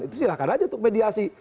itu silahkan aja untuk mediasi